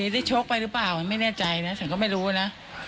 ได้โชคไปรึเปล่าไม่แน่ใจน่ะฉันก็ไม่รู้น่ะ